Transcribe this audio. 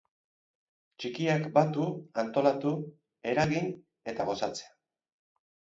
Txikiak batu, antolatu, eragin eta gozatzea.